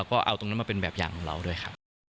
ข้าสุดยอดเลยนะคะ